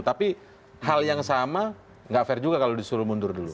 tapi hal yang sama nggak fair juga kalau disuruh mundur dulu